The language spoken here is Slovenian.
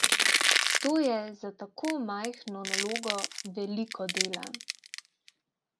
To je za tako majhno nalogo veliko dela.